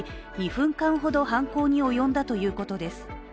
２分間ほど犯行に及んだということです。